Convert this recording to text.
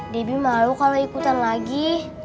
debbie malu kalau ikutan lagi